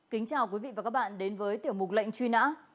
kính chào quý vị và các bạn đến với tiểu mục lệnh truy nã